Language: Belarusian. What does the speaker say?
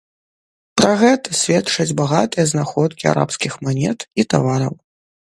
Пра гэта сведчаць багатыя знаходкі арабскіх манет і тавараў.